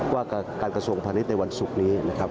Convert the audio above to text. ว่าการกระทรวงพาณิชย์ในวันศุกร์นี้นะครับ